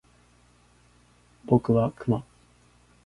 僕はクマ